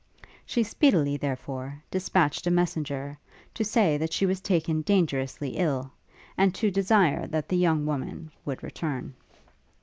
She speedily, therefore, dispatched a messenger, to say that she was taken dangerously ill, and to desire that the young woman would return.